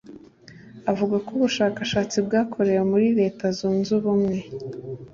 avuga ko ubushakashatsi bwakorewe muri Leta zunze ubumwe